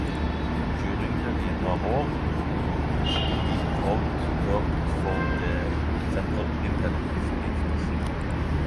During the Vietnam War, Deep Throat worked for the Central Intelligence Agency.